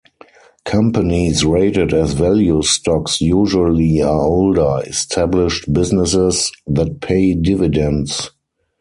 Companies rated as value stocks usually are older, established businesses that pay dividends.